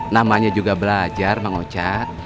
namanya juga belajar mang ocat